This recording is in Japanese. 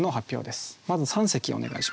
まず三席お願いします。